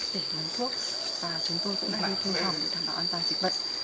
chúng tôi cũng đi thu thòng để đảm bảo an toàn dịch bệnh